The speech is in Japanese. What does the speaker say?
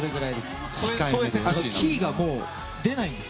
キーがもう出ないんです。